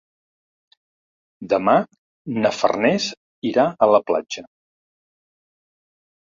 Demà na Farners irà a la platja.